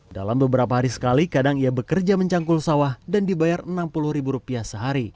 dalam beberapa hari sekali kadang ia bekerja mencangkul sawah dan dibayar rp enam puluh ribu rupiah sehari